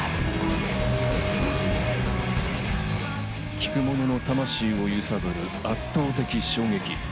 聴くものの魂を揺さぶる圧倒的衝撃。